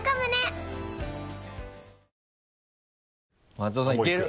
松尾さんいける？